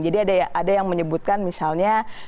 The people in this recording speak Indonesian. jadi ada yang menyebutkan misalnya